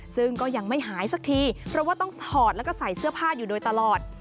ซึ่งก็ยังไม่หายสักทีเพราะว่าต้องถอดแล้วก็ใส่เสื้อผ้าอยู่โดยตลอด